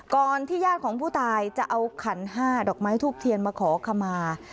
ที่ญาติของผู้ตายจะเอาขันห้าดอกไม้ทูบเทียนมาขอขมา